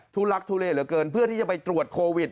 ทักทุเลเหลือเกินเพื่อที่จะไปตรวจโควิด